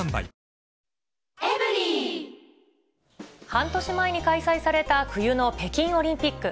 半年前に開催された冬の北京オリンピック。